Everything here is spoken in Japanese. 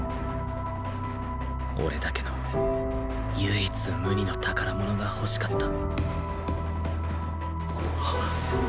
俺だけの唯一無二の宝物が欲しかった